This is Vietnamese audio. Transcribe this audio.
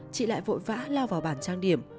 chị lại vội vã lao vào bàn trang điểm